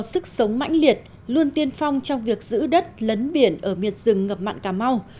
mắm là loại cây sống mãnh liệt luôn tiên phong trong việc giữ đất lấn biển ở miệt rừng ngập mặn cà mau